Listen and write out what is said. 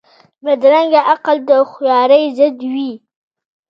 بدرنګه عقل د هوښیارۍ ضد وي